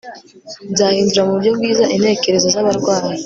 byahindura mu buryo bwiza intekerezo zabarwayi